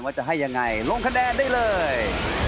จะให้ยังไงลงคะแนนได้เลย